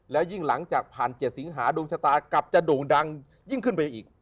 แล้วยิ่งหลังจากผ่าน๗สิงหาดวงชะตากลับจะโด่งดังยิ่งขึ้นไปอีก